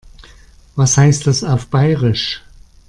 Was heißt das auf Bairisch?